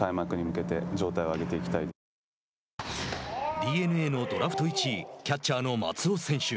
ＤｅＮＡのドラフト１位キャッチャーの松尾選手。